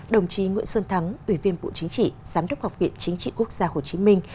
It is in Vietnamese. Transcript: đồng chí nguyễn xuân thắng ủy viên bộ chính trị giám đốc học viện chính trị quốc gia hồ chí minh